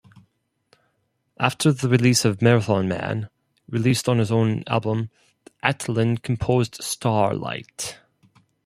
After the release of "Marathon Man," released on his own label, Atlan composed Starlight.